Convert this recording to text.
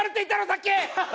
さっき。